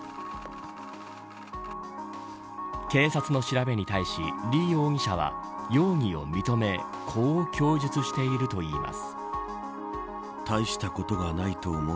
警察の調べに対し、李容疑者は容疑を認めこう供述しているといいます。